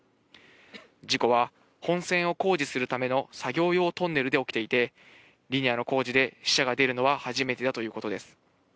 事故は本線を工事するための作業用トンネルで起きていて、リニアの工事で死者が出るのは初めてだということです。